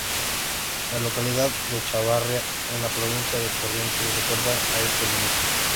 La localidad de Chavarría, en la provincia de Corrientes, recuerda a este ministro.